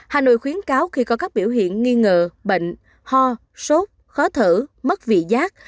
hà nội khuyến cáo khi có các biểu hiện nghi ngờ bệnh ho sốt khó thở mất vị giác